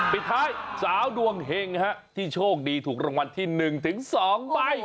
ปิดท้ายสาวดวงเห็งที่โชคดีถูกรางวัลที่๑๒ใบ